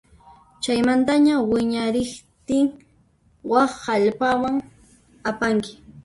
Chaymantaña wiñariqtin wak hallp'aman apanki.